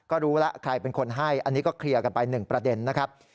ก็รู้แล้วใครเป็นคนให้อันนี้ก็เคลียร์กันไป๑ประเด็นนะครับ